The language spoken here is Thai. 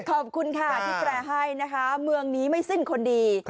ขอบคุณค่ะที่แปลให้นะคะเมืองนี้ไม่สิ้นคนดี